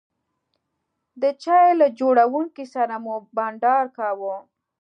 د چای له جوړونکي سره مو بانډار کاوه.